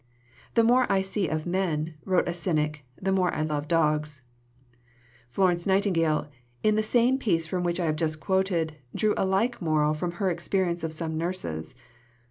"The more I see of men," wrote a cynic, "the more I love dogs." Florence Nightingale, in the same piece from which I have just quoted, drew a like moral from her experience of some nurses.